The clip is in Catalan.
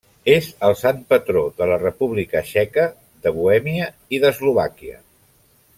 És el sant patró de la República Txeca, de Bohèmia i d'Eslovàquia.